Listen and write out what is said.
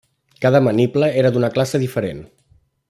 Cada maniple era d'una classe diferent.